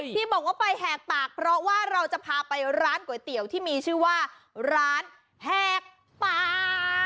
ที่บอกว่าไปแหกปากเพราะว่าเราจะพาไปร้านก๋วยเตี๋ยวที่มีชื่อว่าร้านแหกป่า